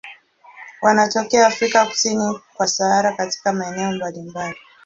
Wanatokea Afrika kusini kwa Sahara katika maeneo mbalimbali.